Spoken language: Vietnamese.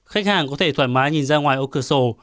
khách hàng có thể thoải mái nhìn ra ngoài ô cửa sổ